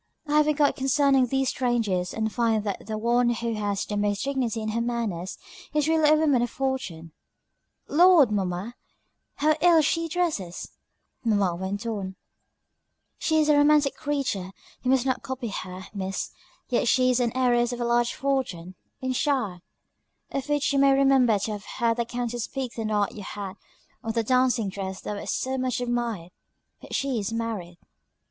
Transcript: "I have enquired concerning these strangers, and find that the one who has the most dignity in her manners, is really a woman of fortune." "Lord, mamma, how ill she dresses:" mamma went on; "She is a romantic creature, you must not copy her, miss; yet she is an heiress of the large fortune in shire, of which you may remember to have heard the Countess speak the night you had on the dancing dress that was so much admired; but she is married."